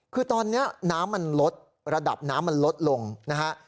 คือตอนนี้น้ำมันลดระดับน้ำมันลดลงนะฮะ